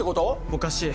おかしい